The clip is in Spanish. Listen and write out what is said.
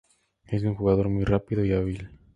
Es un jugador muy rápido y hábil.